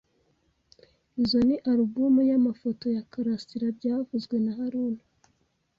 Izoi ni alubumu y'amafoto ya Karasira byavuzwe na haruna